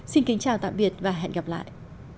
xin chào tạm biệt hẹn gặp lại